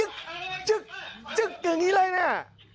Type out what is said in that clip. ดูสินี่เลยเนี่ย